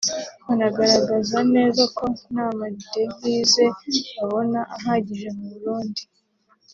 banagaragaza neza ko ntama Devise babona ahagijje mu Burundi